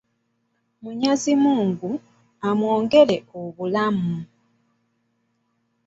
Munyaazimungu amwongere obulamu.